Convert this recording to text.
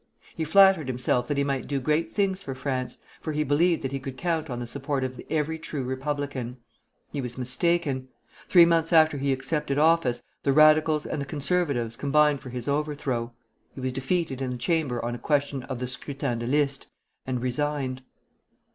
He flattered himself that he might do great things for France, for he believed that he could count on the support of every true Republican. He was mistaken. Three months after he accepted office, the Radicals and the Conservatives combined for his overthrow. He was defeated in the Chamber on a question of the scrutin de liste, and resigned.